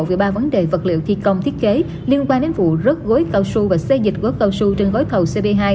về ba vấn đề vật liệu thi công thiết kế liên quan đến vụ rớt gói cao sơ và xê dịch gói cao sơ trên gói thầu cp hai